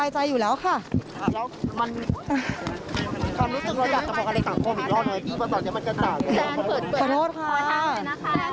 ใช่อยู่แล้วนะครับ